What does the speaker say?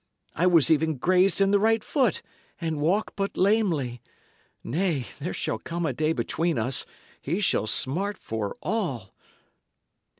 I was even grazed in the right foot, and walk but lamely. Nay, there shall come a day between us; he shall smart for all!"